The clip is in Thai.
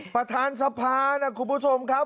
ประธานสภานะคุณผู้ชมครับ